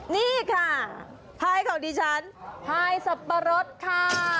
นี่ค่ะพายของดิฉันพายสับปะรดค่ะ